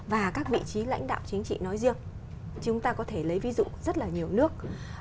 và các vị trí lãnh đạo chính trị nói riêng chúng ta có thể lấy ví dụ rất là nhiều nước